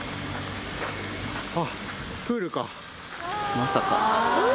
まさか。